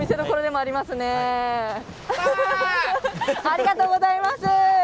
ありがとうございます！